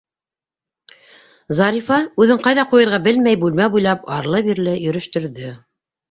Зарифа, үҙен ҡайҙа ҡуйырға белмәй, бүлмә буйлап арлы- бирле йөрөштөрҙө.